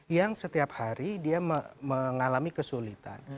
yang setiap hari dia mengalami kesulitan